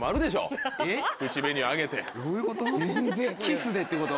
どういうこと？